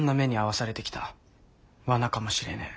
罠かもしれねえ。